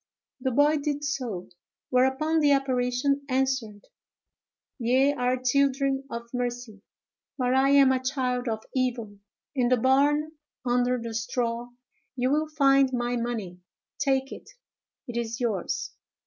The boy did so; whereupon the apparition answered, "Ye are children of mercy, but I am a child of evil; in the barn, under the straw, you will find my money. Take it; it is yours."